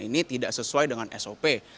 ini tidak sesuai dengan sop